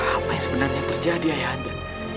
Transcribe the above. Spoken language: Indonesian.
apa yang sebenarnya terjadi ayah anda